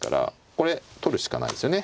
これ取るしかないですよね。